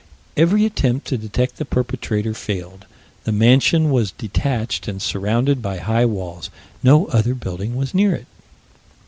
Every attempt to detect the perpetrator failed. The mansion was detached and surrounded by high walls. No other building was near it.